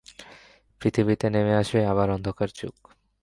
পৃথিবীতে নেমে আসবে আবার অন্ধকার-যুগ।